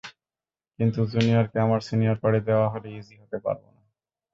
কিন্তু জুনিয়রকে আমার সিনিয়র করে দেওয়া হলে ইজি হতে পারব না।